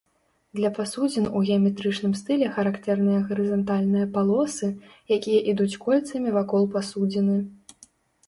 Для пасудзін у геаметрычным стылі характэрныя гарызантальныя палосы, якія ідуць кольцамі вакол пасудзіны.